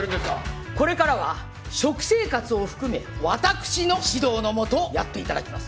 これからは食生活を含め私の指導のもとやっていただきます。